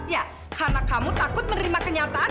ya karena kamu takut menerima kenyataan